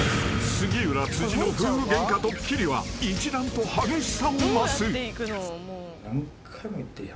［杉浦辻の夫婦ゲンカドッキリは一段と激しさを増す］来いよ。